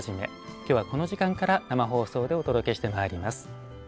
今日はこの時間から生放送でお届けしてまいります。